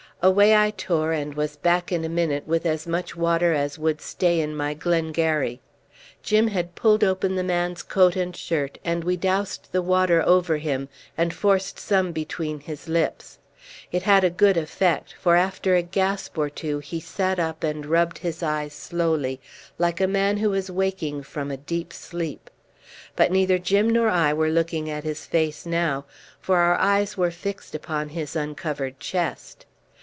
Away I tore, and was back in a minute with as much water as would Stay in my Glengarry. Jim had pulled open the man's coat and shirt, and we doused the water over him, and forced some between his lips. It had a good effect; for after a gasp or two he sat up and rubbed his eyes slowly, like a man who is waking from a deep sleep. But neither Jim nor I were looking at his face now, for our eyes were fixed upon his uncovered chest.